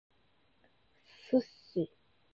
Sushi